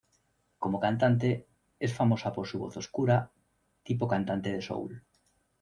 Como cantante, es famosa por su voz oscura, tipo cantante de soul.